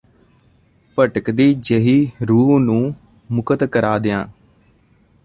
ਭਟਕਦੀ ਜੇਹੀ ਰੂਹ ਨੂੰ ਮੁਕਤ ਕਰਾ ਦਿਆਂ